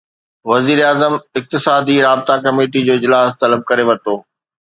وزيراعظم اقتصادي رابطا ڪميٽي جو اجلاس طلب ڪري ورتو